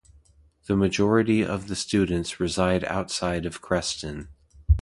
The majority of the students reside outside of Creston.